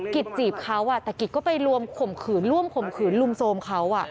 กิจจีบเขาแต่กิจก็ไปรวมข่มขืนร่วมข่มขืนลุมโทรมเขา